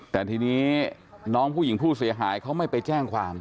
แต่ทีนี้น้องผู้หญิงผู้เสียหายเขาไม่ไปแจ้งความ